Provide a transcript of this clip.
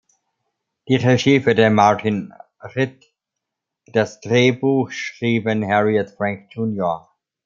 Die Regie führte Martin Ritt, das Drehbuch schrieben Harriet Frank Jr.